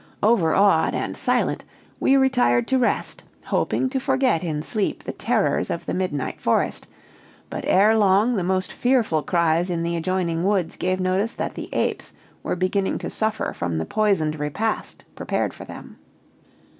"Overawed and silent, we retired to rest, hoping to forget in sleep the terrors of the midnight forest, but ere long the most fearful cries in the adjoining woods gave notice that the apes were beginning to suffer from the poisoned repast prepared for them.